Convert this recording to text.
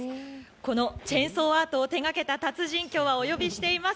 このチェンソーアートを手がけた達人お呼びしております。